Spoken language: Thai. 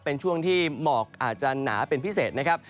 เป็นช่วงที่หมอกอาจจะหนาเป็นพิเศษนะครับ